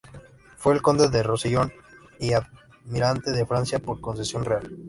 Fue conde de Rosellón y Almirante de Francia por concesión real.